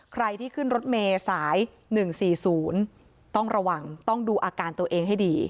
ใครที่ขึ้นรถเมษายหนึ่งสี่ศูนย์ต้องระวังต้องดูอาการตัวเองให้ดี